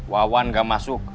wawan gak masuk